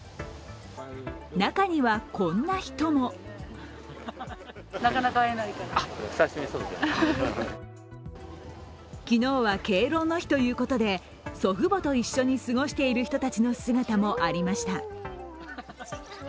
中にはこんな人も昨日は敬老の日ということで祖父母と一緒に過ごしている人たちの姿もありました。